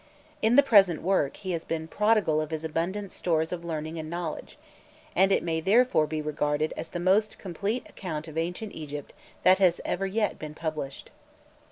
In the present work he has been prodigal of his abundant stores of learning and knowledge, and it may therefore be regarded as the most complete account of ancient Egypt that has ever yet been published.